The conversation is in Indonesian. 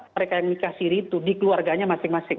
mereka yang nikah siri itu dikeluarganya masing masing